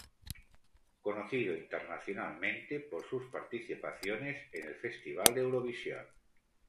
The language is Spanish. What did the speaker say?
Conocido internacionalmente por sus participaciones en el Festival de Eurovisión.